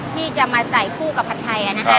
ที่จะมาใส่คู่กับผัดไทย